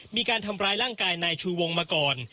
มีการทำร้ายร่างกายนายชูวงมาก่อน